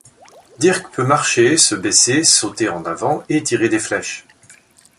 Dirk peut marcher, se baisser, sauter en avant et tirer des flèches.